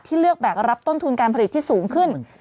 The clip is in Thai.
เลือกแบกรับต้นทุนการผลิตที่สูงขึ้น